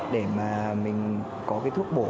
để mình có thuốc bổ